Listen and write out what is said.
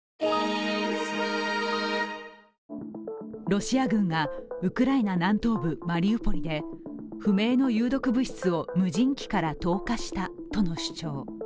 ロシア軍がウクライナ南東部マリウポリで不明の有毒物質を無人機から投下したとの主張。